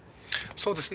そうですね。